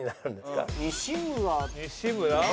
西村。